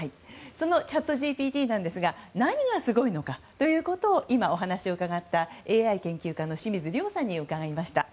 そのチャットＧＰＴなんですが何がすごいのかということをお話を伺ったＡＩ研究家の清水亮さんに伺いました。